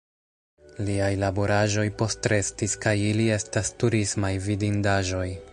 Liaj laboraĵoj postrestis kaj ili estas turismaj vidindaĵoj.